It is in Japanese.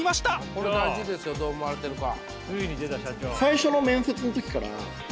これ大事ですよどう思われてるか。